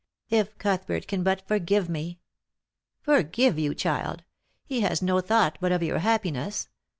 If Cuthbert can but forgive me !"" Forgive you, child ! He has no thought but of your happi ness.